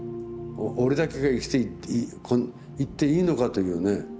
俺だけが生きて行っていいのかというね。